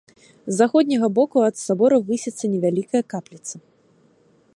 З заходняга боку ад сабора высіцца невялікая капліца.